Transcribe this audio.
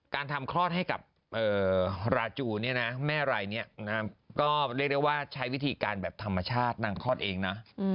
การทำคลอดให้กับราจูเนี่ยนะแม่รายนี้ก็เรียกได้ว่าใช้วิธีการแบบธรรมชาตินางคลอดเองนะ